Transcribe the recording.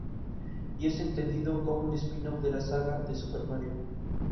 Y es entendido como un spin-off de la saga de Super Mario.